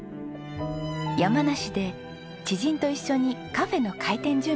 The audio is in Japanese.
山梨で知人と一緒にカフェの開店準備を始めます。